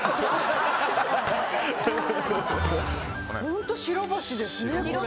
ホント白星ですねこれ。